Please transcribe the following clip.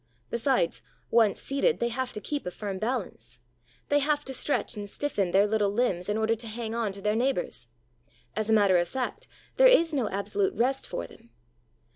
Besides, once seated, they have to keep a firm balance; they have to stretch and stiffen their little limbs in order to hang on to their neighbors. As a matter of fact, there is no absolute rest for them.